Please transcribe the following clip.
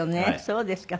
そうですか。